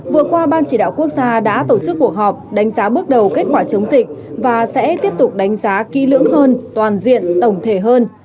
vừa qua ban chỉ đạo quốc gia đã tổ chức cuộc họp đánh giá bước đầu kết quả chống dịch và sẽ tiếp tục đánh giá kỹ lưỡng hơn toàn diện tổng thể hơn